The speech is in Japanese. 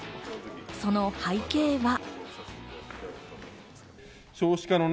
その背景は。